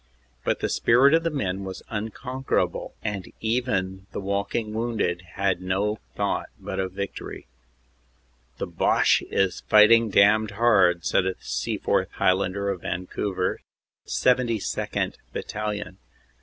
But the spirit of the men was unconquerable, and even the walking wounded had no thought but of victory. "The Boche is fighting damned hard," said a Seaforth Highlander of Van couver, 72nd. Battalion.